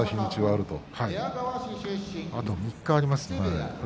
あと３日あります。